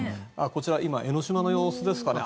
こちら、江の島の様子ですかね。